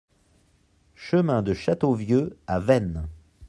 Chemin de Châteauvieux à Veynes